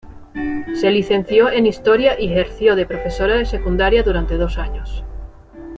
Se licenció en historia y ejerció de profesora de secundaria durante dos años.